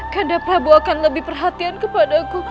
kanda prabu akan lebih perhatian kepadaku